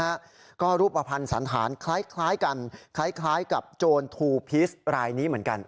และก็รูปพันธ์ศาลฐานคล้ายกันคล้ายกับโจรทูพิสไลนนี้เหมือนกัน